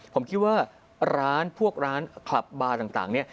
ผมคิดว่าร้านพวกร้านคลับบาร์ต่างเนี่ย